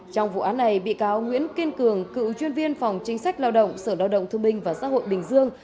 trong vụ án này bị cáo nguyễn kiên cường cựu chuyên viên phòng chính sách lao động sở lao động thương binh và xã hội bình dương